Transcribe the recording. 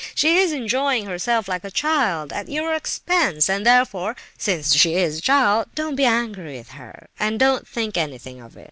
She is enjoying herself like a child, at your expense, and therefore, since she is a child, don't be angry with her, and don't think anything of it.